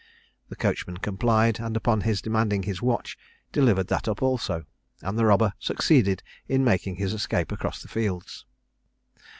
The coachman complied; and upon his demanding his watch, delivered that up also; and the robber succeeded in making his escape across the fields.